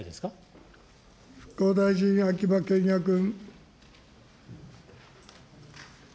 復興大臣、秋葉賢也君。